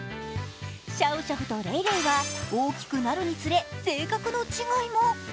シャオシャオとレイレイは大きくなるにつれ、性格の違いも。